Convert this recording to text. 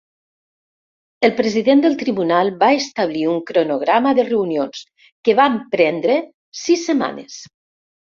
El president del tribunal va establir un cronograma de reunions que van prendre sis setmanes.